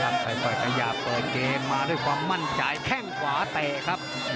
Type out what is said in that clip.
ค่อยขยับเปิดเกมมาด้วยความมั่นใจแข้งขวาเตะครับ